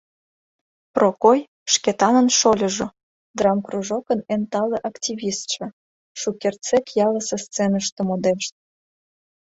Прокой — Шкетанын шольыжо, драмкружокын эн тале активистше, шукертсек ялысе сценыште модеш.